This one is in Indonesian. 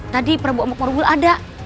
tadi prabu amok marugul ada